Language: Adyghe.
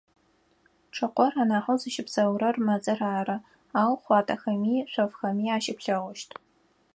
Чӏыкъор анахьэу зыщыпсэурэр мэзыр ары, ау хъуатэхэми, шъофхэми ащыплъэгъущт.